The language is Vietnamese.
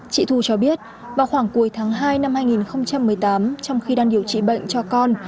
chị thu cho biết vào khoảng cuối tháng hai năm hai nghìn một mươi tám trong khi đang điều trị bệnh cho con